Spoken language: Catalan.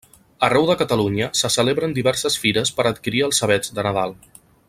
Arreu de Catalunya se celebren diverses fires per adquirir els avets de Nadal.